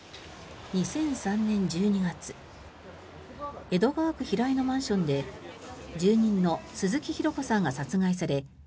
２００３年１２月江戸川区平井のマンションで住人の鈴木弘子さんが殺害され